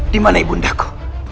dimana ibu undaku